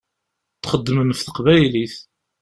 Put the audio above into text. Txeddmem ɣef teqbaylit.